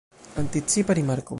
Anticipa rimarko.